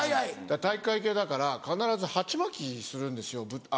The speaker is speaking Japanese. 体育会系だから必ず鉢巻きするんですよ。